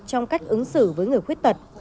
trong cách ứng xử với người quyết tật